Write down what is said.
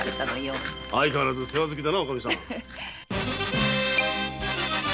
相変わらず世話好きだな。